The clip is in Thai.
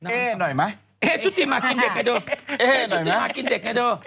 เอ๋หน่อยมั้ยเอ๋ชุติมากินเด็กไงดู